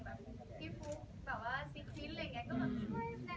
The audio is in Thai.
แบบพี่ฟุ๊กแบบว่าซิกวิ้นอะไรอย่างนี้